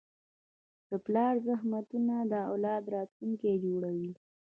د پلار زحمتونه د اولاد راتلونکی جوړوي.